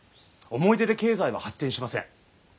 思い出で経済は発展しません。